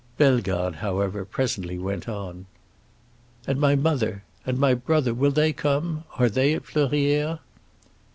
Bellegarde, however, presently went on. "And my mother—and my brother—will they come? Are they at Fleurières?"